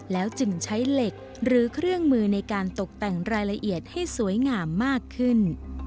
แล้วจึงใช้เหล็กหรือเครื่องมือในการตกแต่งรายละเอียดให้สวยงามมากขึ้น